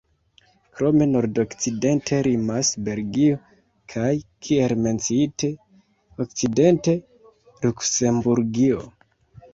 Krome nordokcidente limas Belgio, kaj, kiel menciite, okcidente Luksemburgio.